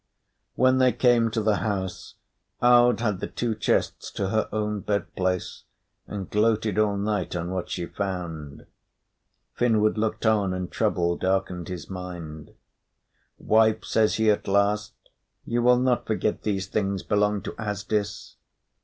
When they came to the house, Aud had the two chests to her own bed place, and gloated all night on what she found. Finnward looked on, and trouble darkened his mind. "Wife," says he at last, "you will not forget these things belong to Asdis?"